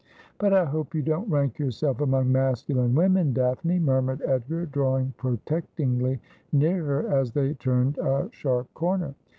' But I hope you don't rank yourself among masculine women, Daphne,' murmured Edgar, drawing protectingly near her, as they turned a sharp corner.